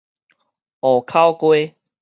湖口街